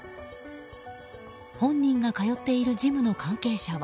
本人が通っているジムの関係者は。